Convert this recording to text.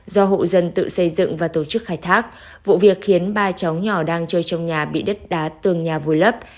do hộ dân tự xây dựng và tổ chức khai thác vụ việc khiến ba cháu nhỏ đang chơi trong nhà bị đất đá tường nhà vùi lấp